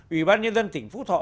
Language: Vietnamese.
ủy ban nhân dân tỉnh phú thọ